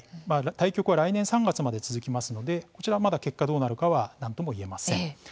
対局は来年３月まで続きますのでこちら、まだ結果どうなるかはなんとも言えません。